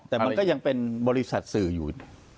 แต่มันก็ยังเป็นบริษัทสื่ออยู่